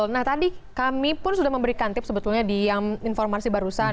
nah tadi kami pun sudah memberikan tips sebetulnya di yang informasi barusan